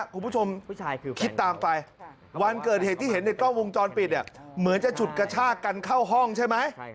คุณผู้ชมคิดตามไปวันเกิดเหตุที่เห็นในกล้องวงจรปิดเหมือนจะฉุดกระชากกันเข้าห้องใช่ไหม